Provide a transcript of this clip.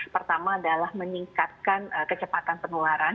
pertama adalah meningkatkan kecepatan penularan